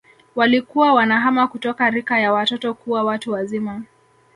Walikuwa wanahama kutoka rika ya watoto kuwa watu wazima